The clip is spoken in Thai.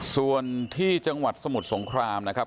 ส่วนที่จังหวัดสมุทรสงครามนะครับ